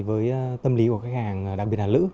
với tâm lý của khách hàng đặc biệt là lữ